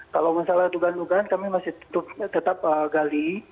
kalau masalah dugaan dugaan kami masih tetap gali